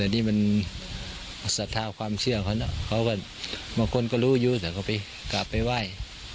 นี่คือรักษณะความเชื่อของคนเหรอบางคนก็รู้อยู่แต่กลับไปว่าย